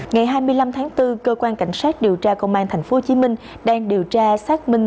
ngày hai mươi năm tháng bốn cơ quan cảnh sát điều tra công an thành phố hồ chí minh đang điều tra xác minh